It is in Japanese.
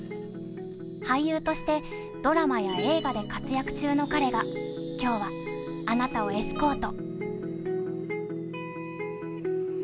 俳優としてドラマや映画で活躍中の彼が今日はあなたをエスコート。